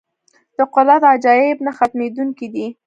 د قدرت عجایب نه ختمېدونکي دي.